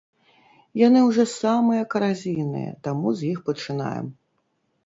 Яны ўжо самыя каразійныя, таму з іх пачынаем.